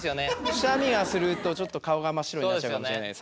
くしゃみはするとちょっと顔が真っ白になっちゃうかもしれないです。